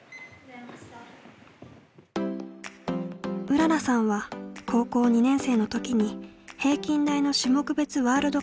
うららさんは高校２年生の時に平均台の種目別ワールドカップで初優勝。